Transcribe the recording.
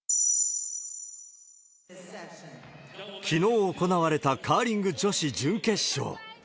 きのう行われたカーリング女子準決勝。